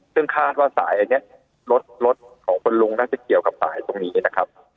ซึ่งคาดว่าสายอันนี้รถรถของคุณลุงน่าจะเกี่ยวกับสายตรงนี้นะครับ